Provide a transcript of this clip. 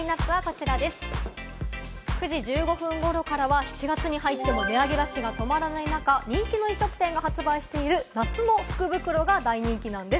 ９時１５分ごろからは７月に入っても値上げラッシュが止まらないなか、人気の飲食店が発売している夏の福袋が大人気なんです。